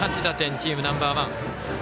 チームナンバーワン。